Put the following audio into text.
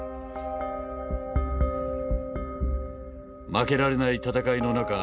負けられない戦いの中